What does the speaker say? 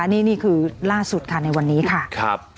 นี่คือล่าสุดค่ะในวันนี้ค่ะ